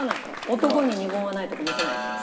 男に二言はないとこ見せないと。